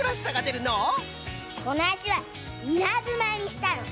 このあしはいなずまにしたの！